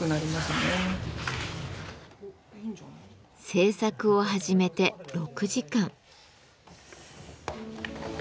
制作を始めて６時間。